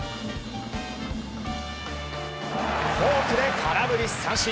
フォークで空振り三振。